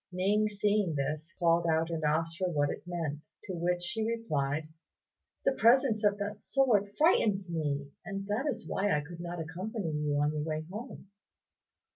Ning seeing this, called out and asked her what it meant; to which she replied, "The presence of that sword frightens me, and that is why I could not accompany you on your way home."